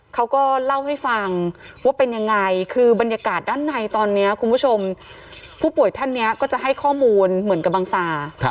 เขาก็เล่าให้ฟังว่าเป็นยังไงคือบรรยากาศด้านในตอนนี้คุณผู้ชมผู้ป่วยท่านนี้ก็จะให้ข้อมูลเหมือนกับบังซา